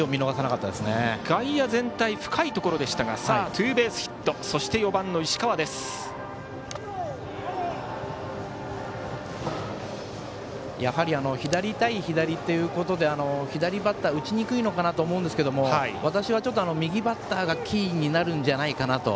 外野全体深いところでしたがツーベースヒット左対左ということで左バッターは打ちにくいのかなと思うんですが私は右バッターがキーになるんじゃないかなと。